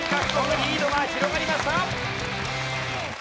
リードが広がりました。